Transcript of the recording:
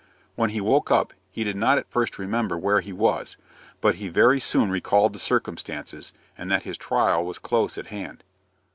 When he woke up, he did not at first remember where he was, but he very soon recalled the circumstances, and that his trial was close at hand.